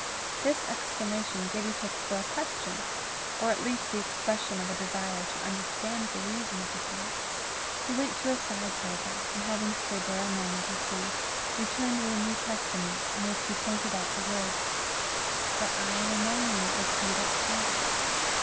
This exclamation Gibbie took for a question, or at least the expression of a desire to understand the reason of the thing. He went to a side table, and having stood there a moment or two, returned with a New Testament, in which he pointed out the words, "But I am among you as he that serveth."